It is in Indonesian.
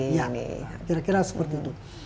iya nih kira kira seperti itu